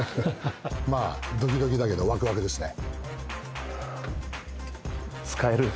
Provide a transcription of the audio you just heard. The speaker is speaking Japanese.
まあドキドキだけどワクワクですね。